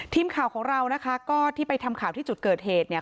ทีมข่าวของเรานะคะก็ที่ไปทำข่าวที่จุดเกิดเหตุเนี่ย